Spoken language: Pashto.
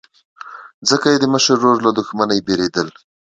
ځکه یې د مشر ورور له دښمنۍ بېرېدل.